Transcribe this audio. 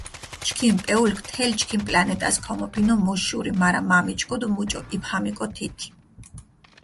ჩქიმ პეულქ თელ ჩქიმ პლანეტას ქომოფინჷ მუშ შური, მარა მა მიჩქუდჷ მუჭო იბჰამიკო თით.